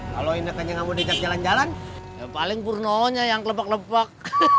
kalau inek aja gak mau dicat jalan jalan ya paling purnonya yang kelepek kelepek